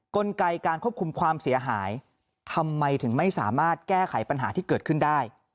กลไกการควบคุมความเสียหายทำไมถึงไม่สามารถแก้ไขปัญหาที่เกิดขึ้นได้